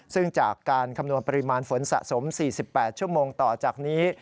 ซึ่งจากการคำนวณปริมาณฝนสะสม๔๘ชั่วโมงต่อจากนี้